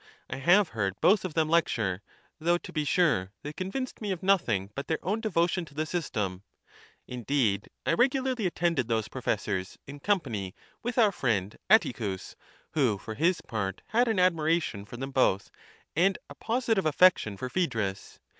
1 have heard both of them lecture, though to be sure they convinced n»e of nothing but their own devotion to the system. In deed I regularly attended those professors, ii psny with our friend Atticus, who for bis part had an admiration for them both, and a positive affection for Phaedrus.